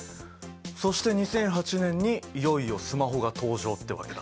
そして２００８年にいよいよスマホが登場ってわけだ。